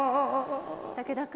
武田君。